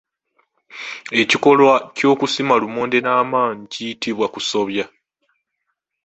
Ekikolwa ky’okusima lumonde n’amaanyi kiyitibwa kusobya.